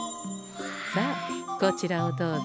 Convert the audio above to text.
さあこちらをどうぞ。